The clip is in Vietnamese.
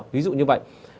ví dụ như vậy